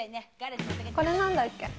これなんだっけ？